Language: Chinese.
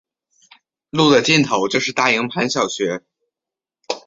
路的尽头就是大营盘小学。